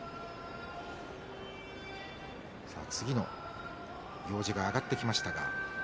次の行司が上がってきました。